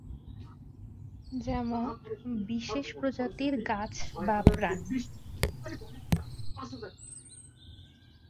যেমনঃ বিশেষ প্রজাতির গাছ বা প্রাণী।